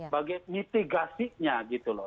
bagai mitigasinya gitu loh